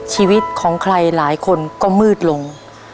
หลายคนก็มืดลง